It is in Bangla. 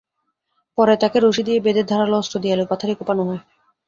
পরে তাঁকে রশি দিয়ে বেঁধে ধারালো অস্ত্র দিয়ে এলোপাতাড়ি কোপানো হয়।